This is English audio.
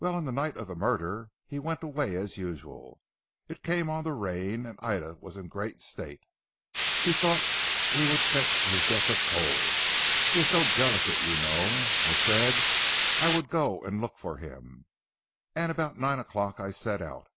"Well, on the night of the murder, he went away as usual. It came on to rain and Ida was in a great state. She thought he would catch his death of cold he is so delicate you know. I said I would go and look for him, and about nine o'clock I set out.